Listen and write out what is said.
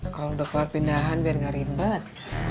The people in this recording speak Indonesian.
kalau udah keluar pindahan biar gak ribet